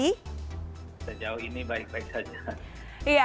sejauh ini baik baik saja